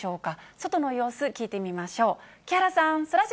外の様子聞いてみましょう。